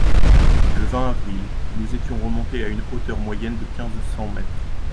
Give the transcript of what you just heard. Le vingt avril, nous étions remontés à une hauteur moyenne de quinze cents mètres.